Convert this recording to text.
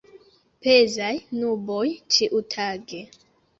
Pezaj nuboj ĉiutage.